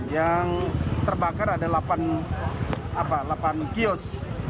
yang terbakar ada delapan kios